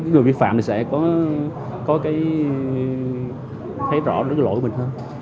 người vi phạm thì sẽ có cái thấy rõ được lỗi của mình hơn